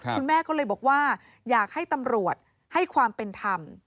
คุณแม่ก็เลยบอกว่าอยากให้ตำรวจให้ความเป็นธรรม